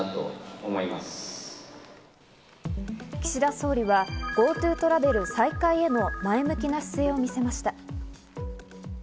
岸田総理はＧｏＴｏトラベル再開への前向きな姿勢を見せました。